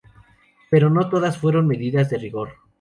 Pero no todas fueron medidas de rigor.